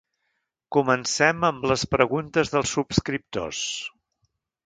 Comencem amb les preguntes dels subscriptors.